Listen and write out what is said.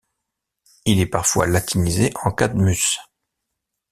Il est parfois latinisé en Cadmus.